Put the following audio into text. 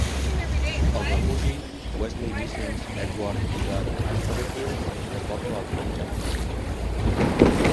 El refugi Wesley Mission's Edward Eagar a Surry Hills porta el nom d'Edward.